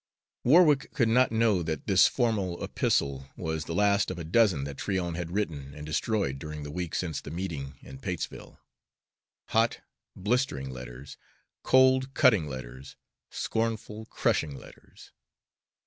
Warwick could not know that this formal epistle was the last of a dozen that Tryon had written and destroyed during the week since the meeting in Patesville, hot, blistering letters, cold, cutting letters, scornful, crushing letters.